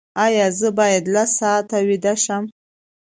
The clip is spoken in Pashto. ایا زه باید لس ساعته ویده شم؟